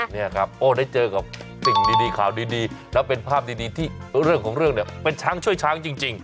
นี่แหละครับโอ้วได้เจอกับสิ่งดีข่าวดีแล้วเป็นภาพดีคือช้างช่วยช้างจริง